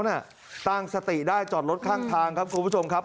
ตั้งสติได้จอดรถข้างทางครับคุณผู้ชมครับ